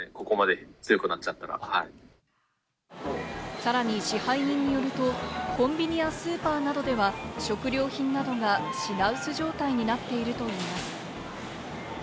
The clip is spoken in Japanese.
さらに支配人によると、コンビニやスーパーなどでは食料品などが品薄状態になっているといいます。